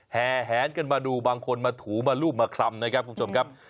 แห่แหนกันมาดูบางคนมาถูมารูปมาคลำนะครับคุณผู้ชมครับ